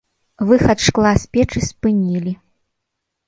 Выхад шкла з печы спынілі.